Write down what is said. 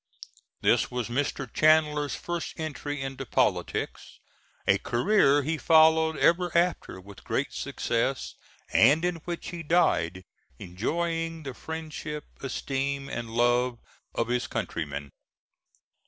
This was Mr. Chandler's first entry into politics, a career he followed ever after with great success, and in which he died enjoying the friendship, esteem and love of his countrymen.